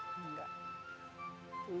lagian emang nantinya juga kesumpekan